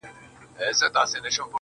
خپل استازی یې ورواستاوه خزدکه-